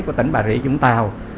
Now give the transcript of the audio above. của tỉnh bà rịa vũng tàu